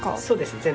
そうです。